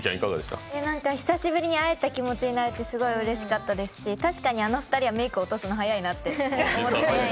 久しぶりに会えた気持ちになりましてうれしかったですし確かにあの２人はメイクを落とすのが速いなって。